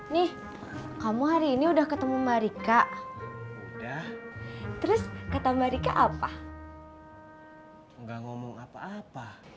nih kamu hari ini udah ketemu mareka udah terus kata mereka apa nggak ngomong apa apa